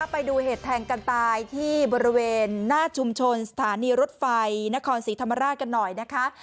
ไปดูเหตุแทงกันตายที่บริเวณหน้าชุมชนสถานีรถไฟนครศรีธรรมราชกันหน่อยนะคะ